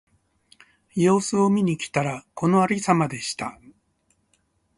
様子を見に来たら、このありさまでした。